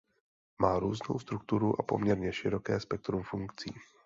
Má různou strukturu a poměrně široké spektrum funkcí.